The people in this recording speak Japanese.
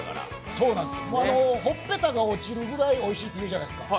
ほっぺたが落ちるぐらいおいしいと言うじゃないですか。